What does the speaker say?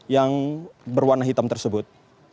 yang berwarna hitam tersebut